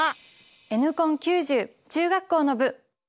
「Ｎコン９０」中学校の部。